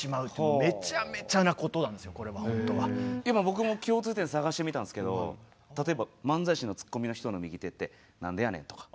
今僕も共通点探してみたんすけど例えば漫才師のツッコミの人の右手ってなんでやねんとか。